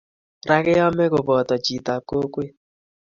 Ra keame kopoto chitap kokwet